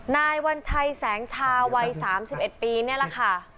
นายวัญชัยแสงชาววัยสามสิบเอ็ดปีเนี่ยแหละค่ะ